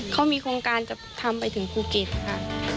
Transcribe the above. เขามีโครงการจะทำไปถึงภูเก็ตค่ะ